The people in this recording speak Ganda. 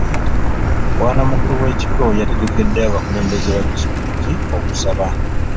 Bwanamukulu w'ekigo yategekedde abakulembeze ba disitulikiti okusaba.